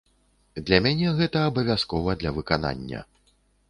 Для мяне гэта абавязкова для выканання.